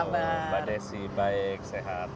halo pak desi baik sehat